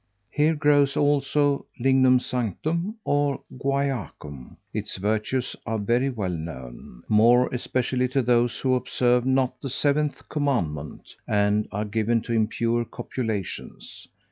Here grows, also, lingnum sanctum, or guaiacum: its virtues are very well known, more especially to those who observe not the Seventh Commandment, and are given to impure copulations!